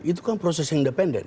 itu kan proses independen